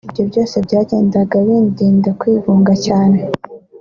Ibyo byose byagendaga bindinda kwigunga cyane